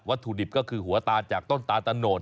ถุดิบก็คือหัวตาจากต้นตาลตะโนด